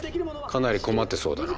かなり困ってそうだな。